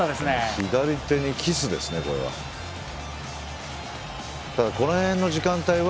左手にキスですね、これは。